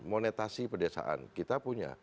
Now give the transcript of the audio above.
monetasi pedesaan kita punya